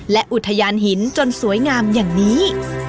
และอุทยานหินจนสวยงามอย่างนี้